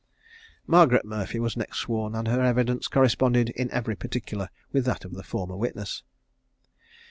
Margaret Murphy was next sworn, and her evidence corresponded in every particular with that of the former witness.